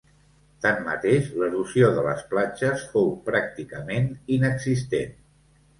Tanmateix, l'erosió de les platges fou pràcticament inexistent.